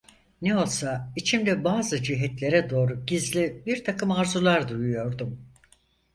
Ne olsa, içimde bazı cihetlere doğru gizli birtakım arzular duyuyordum.